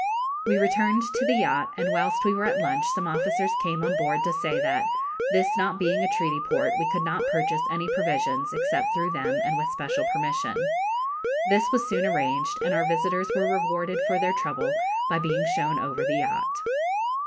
We returned to the yacht, and whilst we were at lunch some officers came on board to say that, this not being a treaty port, we could not purchase any provisions, except through them, and with special permission. This was soon arranged, and our visitors were rewarded for their trouble by being shown over the yacht.